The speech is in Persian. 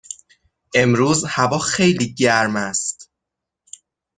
امروز هوا خیلی گرم است